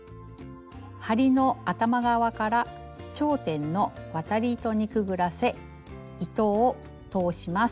針の頭側から頂点の渡り糸にくぐらせ糸を通します。